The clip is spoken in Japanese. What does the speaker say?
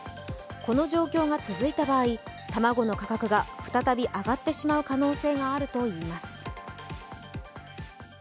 この状況が続いた場合、卵の価格が再び上がってしまう可能性があるといいます。